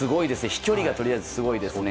飛距離がとにかくすごいですね。